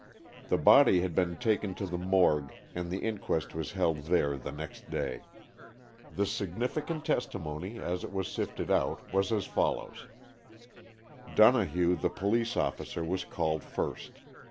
The body had been taken to the morgue, and the inquest was held there the next day. The significant testimony, as it was sifted out, was as follows: Donohue, the police officer, was called first.